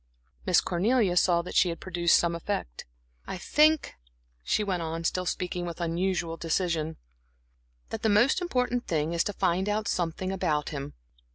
Miss Cornelia saw that she had produced some effect. "I think," she went on, still speaking with unusual decision, "that the most important thing is to find out something about him.